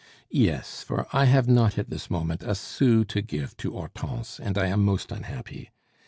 "Yes, for I have not at this moment a sou to give to Hortense, and I am most unhappy.